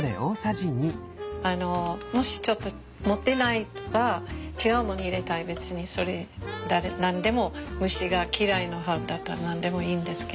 もしちょっと持ってなければ違うもの入れたい別にそれ何でも虫が嫌いなハーブだったら何でもいいんですけど。